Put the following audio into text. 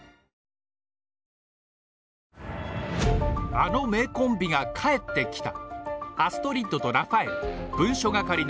あの名コンビが帰ってきた！